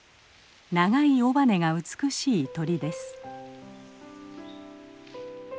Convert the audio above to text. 長い尾羽が美しい鳥です。